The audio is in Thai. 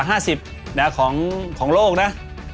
ยักษ์ในเราที่มีอันดับสุดมากของโลกนะ